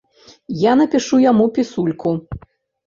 Я напішу яму пісульку.